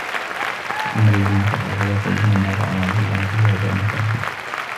ۖ وَأَمَّا الَّذِينَ كَفَرُوا فَيَقُولُونَ مَاذَا أَرَادَ اللَّهُ بِهَٰذَا مَثَلًا